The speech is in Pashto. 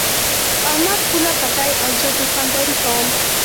احمد پوله پټی او زه دوکانداري کوم.